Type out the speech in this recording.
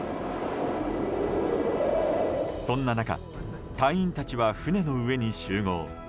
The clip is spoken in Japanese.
そんな中、隊員たちは船の上に集合。